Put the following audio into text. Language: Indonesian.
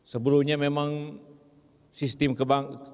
sebelumnya memang sistem pemerintahan